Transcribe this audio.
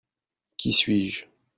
Qui suis-je ?